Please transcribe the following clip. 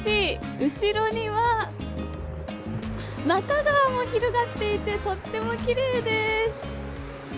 後ろには、那珂川も広がっていてとってもきれいです！